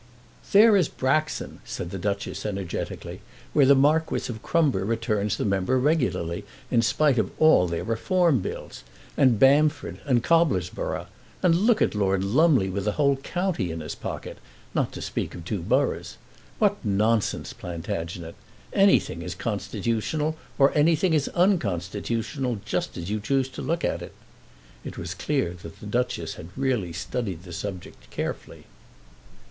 "There is Braxon," said the Duchess energetically, "where the Marquis of Crumber returns the member regularly, in spite of all their Reform bills; and Bamford, and Cobblersborough; and look at Lord Lumley with a whole county in his pocket, not to speak of two boroughs! What nonsense, Plantagenet! Anything is constitutional, or anything is unconstitutional, just as you choose to look at it." It was clear that the Duchess had really studied the subject carefully.